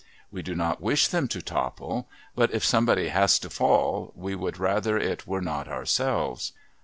We do not wish them to "topple," but if somebody has got to fall we would rather it were not ourselves.